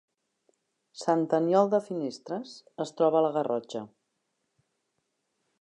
Sant Aniol de Finestres es troba a la Garrotxa